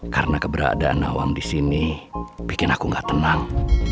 karena keberadaan nawang disini bikin aku gak tenang